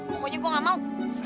pokoknya gue gak mau